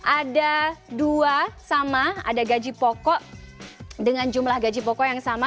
ada dua sama ada gaji pokok dengan jumlah gaji pokok yang sama